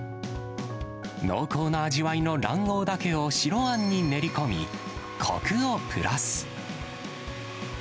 濃厚な味わいの卵黄だけを白あんに練り込み、こくをプラス。